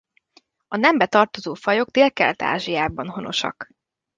A nembe tartozó fajok Délkelet-Ázsiában honosak.